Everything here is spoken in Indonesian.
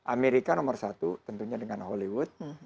amerika nomor satu tentunya dengan hollywood